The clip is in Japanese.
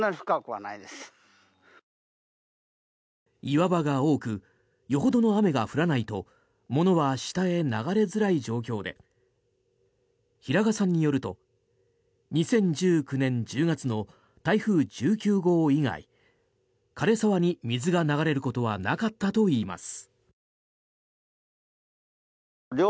岩場が多くよほどの雨が降らないと物は下へ流れづらい状況で平賀さんによると２０１９年１０月の台風１９号以外枯れ沢に水が流れることはなかったといいます。